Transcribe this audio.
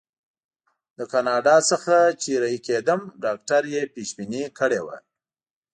له کاناډا څخه چې رهي کېدم ډاکټر یې پېشبیني کړې وه.